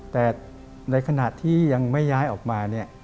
แต่ในขณะที่ยังไม่ย้ายออกมาเนี่ย